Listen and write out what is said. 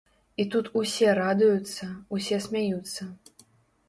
І тут усе радуюцца, усе смяюцца.